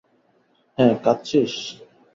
হ্যাঁ, কাদছিস।